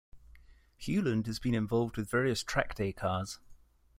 Hewland has been involved with various track day cars.